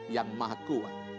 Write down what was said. yang membuatnya hebat dalam bertinju